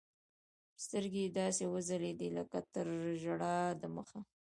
سترګې يې داسې وځلېدې لكه تر ژړا د مخه.